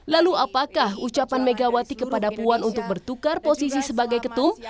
lalu apakah ucapan megawati kepada puan untuk bertukar posisi sebagai ketum